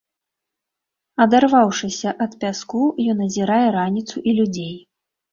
Адарваўшыся ад пяску, ён азірае раніцу і людзей.